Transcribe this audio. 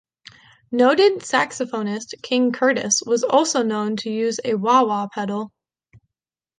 Noted saxophonist King Curtis was also known to use a wah-wah pedal.